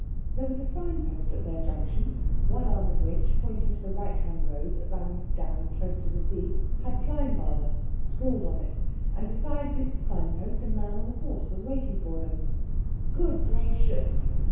There was a sign post at their junction, one arm of which, pointing to the right hand road that ran down close to the sea, had Kleinwalde scrawled on it; and beside this sign post a man on a horse was waiting for them. "Good gracious!